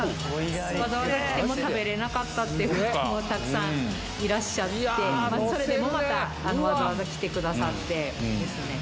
わざわざ来ても食べれなかったって方もたくさんいらっしゃってそれでもまたわざわざ来てくださってですね